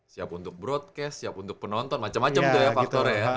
siap untuk broadcast siap untuk penonton macam macam tuh ya faktornya ya